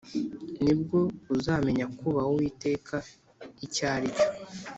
ni bwo uzamenya kubaha uwiteka icyo ari cyo